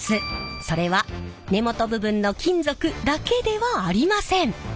それは根元部分の金属だけではありません。